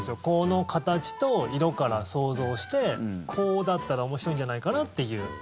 この形と色から想像してこうだったら面白いんじゃないかなっていう。